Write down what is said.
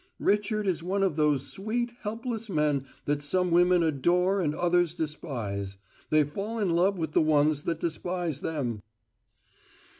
"Richard is one of those sweet, helpless men that some women adore and others despise. They fall in love with the ones that despise them."